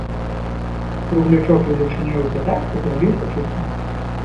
Круглячок велічынёю ў пятак зрабіўся чыстым.